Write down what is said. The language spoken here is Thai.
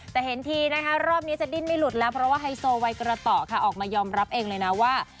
แต่เห็นทีนะคะรอบนี้จะดิ้นไม่หลุดแล้วเพราะว่าไฮโซวัยกระต่อค่ะออกมายอมรับเองเลยนะว่า